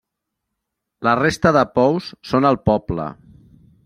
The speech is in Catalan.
La resta de pous són al poble.